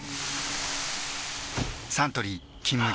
サントリー「金麦」